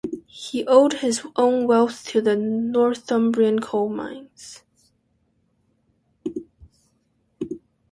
He owed his own wealth to the Northumbrian coal mines.